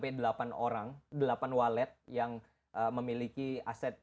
ada sekitar tujuh delapan orang delapan orang yang memiliki nfc yang paling mahal di dunia yang itu yang si oh ya buatnya